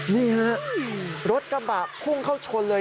นี่ฮะรถกระบะพุ่งเข้าชนเลย